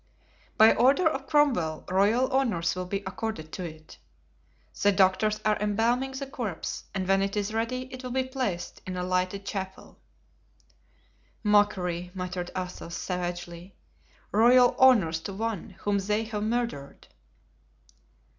"By order of Cromwell royal honors will be accorded to it. The doctors are embalming the corpse, and when it is ready it will be placed in a lighted chapel." "Mockery," muttered Athos, savagely; "royal honors to one whom they have murdered!"